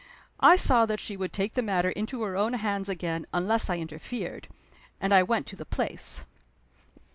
I saw that she would take the matter into her own hands again unless I interfered; and I went to the place.